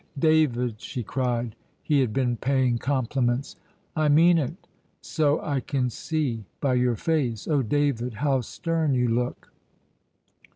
"David!" she cried. He had been paying compliments! "I mean it." "So I can see by your face. Oh, David, how stern you look!"